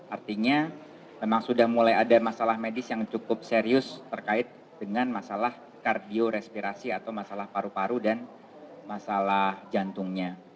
artinya memang sudah mulai ada masalah medis yang cukup serius terkait dengan masalah kardio respirasi atau masalah paru paru dan masalah jantungnya